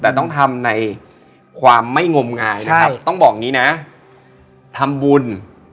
แต่ต้องทำในความไม่งมงายใช่ต้องบอกงี้น่ะทำบุญ